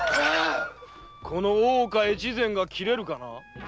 この大岡越前が斬れるかな。